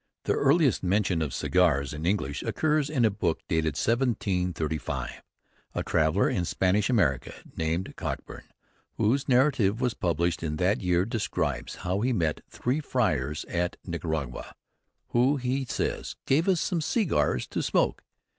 The earliest mention of cigars in English occurs in a book dated 1735. A traveller in Spanish America, named Cockburn, whose narrative was published in that year, describes how he met three friars at Nicaragua, who, he says, "gave us some Seegars to smoke